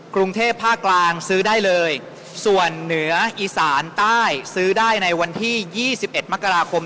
กรุงเทพภาคกลางซื้อได้เลยส่วนเหนืออีสานใต้ซื้อได้ในวันที่ยี่สิบเอ็ดมกราคม